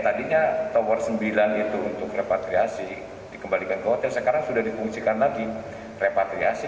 tadinya tower sembilan itu untuk repatriasi dikembalikan ke hotel sekarang sudah difungsikan lagi repatriasi